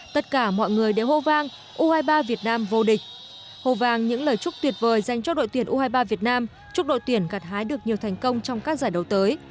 tất cả mọi người đều hô vang u hai mươi ba việt nam vô địch hồ vàng những lời chúc tuyệt vời dành cho đội tuyển u hai mươi ba việt nam chúc đội tuyển gặt hái được nhiều thành công trong các giải đấu tới